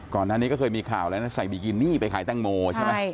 ก่อนหน้านี้ก็เคยมีข่าวแล้วนะใส่บิกินี่ไปขายแตงโมใช่ไหม